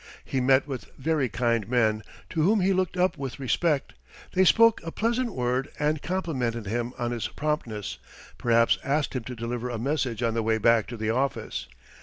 He met with very kind men, to whom he looked up with respect; they spoke a pleasant word and complimented him on his promptness, perhaps asked him to deliver a message on the way back to the office.